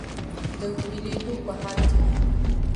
د ویلیدو په حال کې دی.